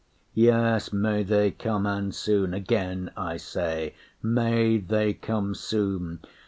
Yes, may they come, and soon. Again I say, May they come soon!